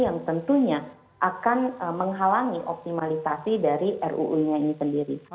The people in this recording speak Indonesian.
yang tentunya akan menghalangi optimalisasi dari ruu nya ini sendiri